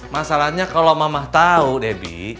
masalahnya kalo mama tau debi